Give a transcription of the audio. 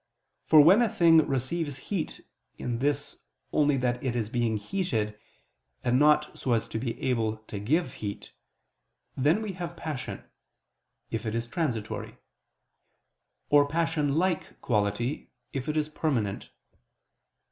For when a thing receives heat in this only that it is being heated, and not so as to be able to give heat, then we have passion, if it is transitory; or passion like quality if it is permanent.